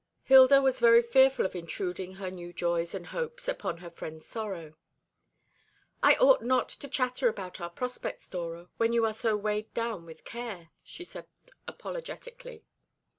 Hilda was very fearful of intruding her new joys and hopes upon her friend's sorrow. "I ought not to chatter about our prospects, Dora; when you are so weighed down with care," she said apologetically.